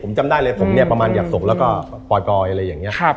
ผมจำได้เลยว่าผมแบบอยากสกแล้วปล่อยก่อย